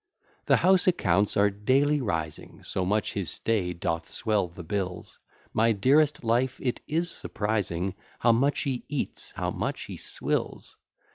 The house accounts are daily rising; So much his stay doth swell the bills: My dearest life, it is surprising, How much he eats, how much he swills.